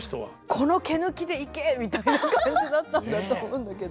「この毛抜きでいけ」みたいな感じだったんだと思うんだけど。